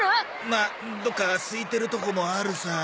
まあどっかすいてるとこもあるさ。